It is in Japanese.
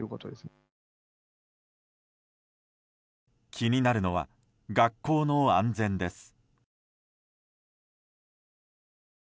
気になるのは学校の安全です。